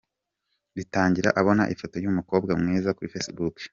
Bitangira abona ifoto y'umukobwa mwiza kuri Facebook.